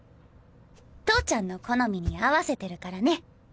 投ちゃんの好みに合わせてるからね。